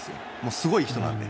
すごい人なので。